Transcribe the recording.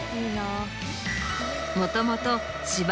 もともと。